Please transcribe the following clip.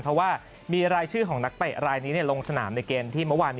เพราะว่ามีรายชื่อของนักเตะรายนี้ลงสนามในเกมที่เมื่อวาน